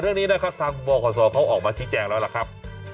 เรื่องนี้นะครับทางบขศเขาออกมาชี้แจงแล้วล่ะครับ